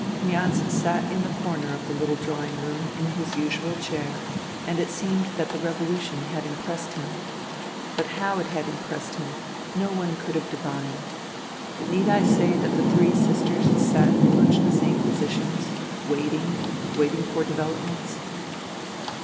Kniaz sat in the corner of the 00 FUTILITY little drawing room in his usual chair, and it seemed that the revolution had impressed him. But how it had impressed him no one could have divined. Need I say that the three sisters sat in much the same positions, waiting — waiting for developments